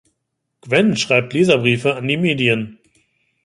Gwen schreibt Leserbriefe an die Medien.